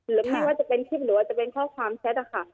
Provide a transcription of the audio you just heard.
ไม่ว่าจะเป็นคลิปหรือว่าจะเป็นข้อความแชทนะคะ